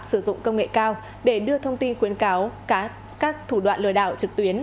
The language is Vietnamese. sử dụng công nghệ cao để đưa thông tin khuyến cáo các thủ đoạn lừa đảo trực tuyến